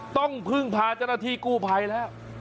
ต้องพึ่งพาเจ้าหน้าที่กู้ภัยแล้ว